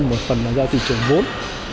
một phần là do thị trường vốn